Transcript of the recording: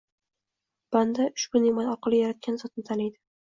Banda ushbu neʼmat orqali Yaratgan Zotni taniydi.